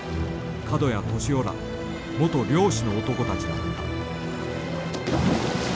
角谷敏雄ら元漁師の男たちだった。